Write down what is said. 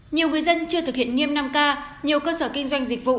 nhiều người dân chưa thực hiện nghiêm năm k nhiều cơ sở kinh doanh dịch vụ